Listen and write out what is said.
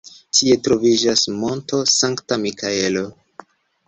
Tie troviĝas Monto Sankta Mikaelo.